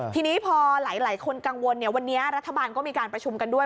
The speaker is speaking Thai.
ทีนี้พอหลายคนกังวลวันนี้รัฐบาลก็มีการประชุมกันด้วย